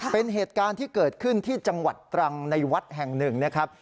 เป็นเหตุการณ์ที่เกิดขึ้นที่จังหวัดตรังในวัดแห่งหนึ่งนะครับ